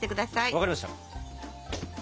分かりました。